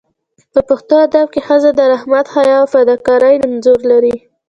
په پښتو ادب کې ښځه د رحمت، حیا او فداکارۍ انځور لري.